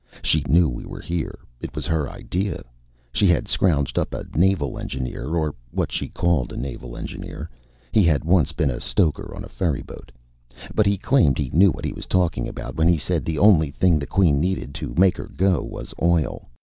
She knew we were here. It was her idea. She had scrounged up a naval engineer, or what she called a naval engineer he had once been a stoker on a ferryboat. But he claimed he knew what he was talking about when he said the only thing the Queen needed to make 'er go was oil.